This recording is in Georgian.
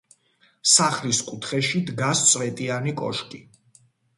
სახლის კუთხეში დგას წვეტიანი კოშკი.